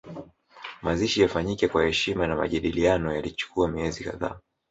Mazishi yafanyike kwa heshima na majadiliano yalichukua miezi kadhaa